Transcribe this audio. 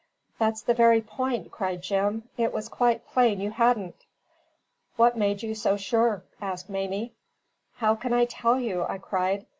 "That's the very point," cried Jim. "It was quite plain you hadn't." "What made you so sure?" asked Mamie. "How can I tell you?" I cried.